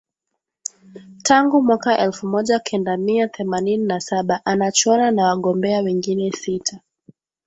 tangu mwaka elfu moja kenda mia themanini na saba anachuana na wagombea wengine sita